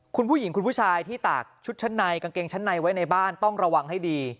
คุณผู้หญิงคุณผู้ชายที่ตากชุดชั้นในกางเกงชั้นในไว้ในบ้านต้องระวังให้ดี